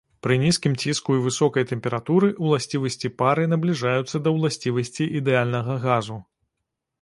Пры нізкім ціску і высокай тэмпературы ўласцівасці пары набліжаюцца да ўласцівасцей ідэальнага газу.